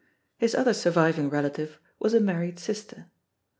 His other surviving relative was a married sister.